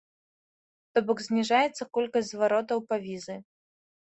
То бок, зніжаецца колькасць зваротаў па візы.